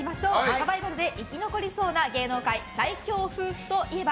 サバイバルで生き残りそうな芸能界最強夫婦といえば？